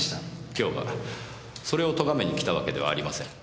今日はそれをとがめに来たわけではありません。